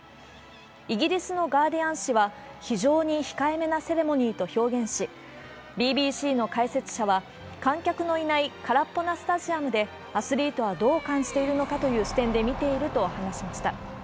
イギリスのガーディアン紙は、非常に控えめなセレモニーと表現し、ＢＢＣの解説者は、観客のいない空っぽなスタジアムでアスリートはどう感じているのかという視点で見ていると話しました。